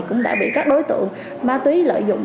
cũng đã bị các đối tượng ma túy lợi dụng